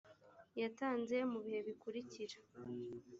yatanze mu bihe bikurikira